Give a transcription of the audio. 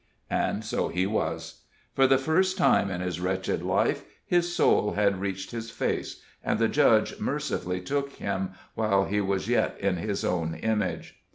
And so he was. For the first time in his wretched life his soul had reached his face, and the Judge mercifully took him while he was yet in His own image.